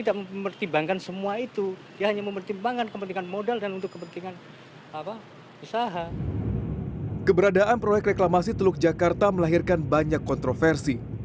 keberadaan proyek reklamasi teluk jakarta melahirkan banyak kontroversi